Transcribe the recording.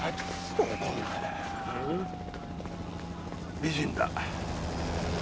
美人だ。